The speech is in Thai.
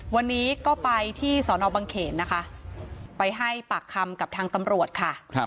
วันนี้ก็ไปที่สอนอบังเขนนะคะไปให้ปากคำกับทางตำรวจค่ะ